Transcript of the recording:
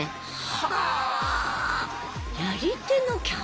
はあ！